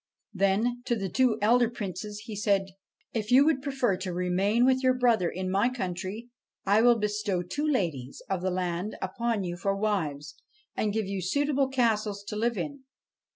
Then, to the two elder Princes, he said :' If you would prefer to remain with your brother in my country I will bestow two ladies of the land upon you for wives, and give you suitable castles to live in.'